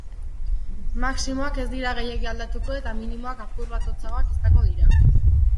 Maximoak ez dira gehiegi aldatuko, eta minimoak apur bat hotzagoak izango dira.